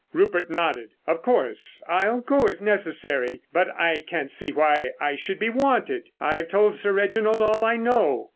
Rupert nodded. "Of course—I'll go if necessary, but I can't see why I should be wanted. I've told Sir Reginald all I know."